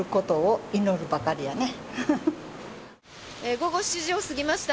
午後７時を過ぎました。